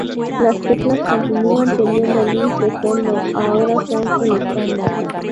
Las teclas continúan teniendo luz de fondo, ahora son el estándar.